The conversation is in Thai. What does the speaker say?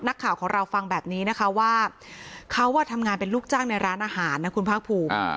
นักข่าวของเราฟังแบบนี้นะคะว่าเขาทำงานเป็นลูกจ้างในร้านอาหารนะคุณภาคภูมิ